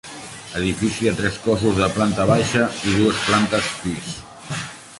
Edifici de tres cossos de planta baixa i dues plantes pis.